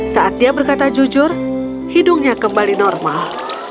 saat dia berkata jujur hidungnya kembali normal